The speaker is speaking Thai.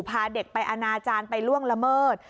พาเด็กไปอนาจารย์ไปล่วงละเมิด